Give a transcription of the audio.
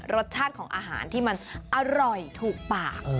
รสชาติของอาหารที่มันอร่อยถูกปาก